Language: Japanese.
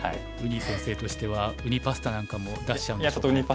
ウニ先生としてはウニパスタなんかも出しちゃう。